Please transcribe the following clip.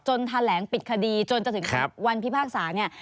แถลงปิดคดีจนจะถึงวันพิพากษาเนี่ย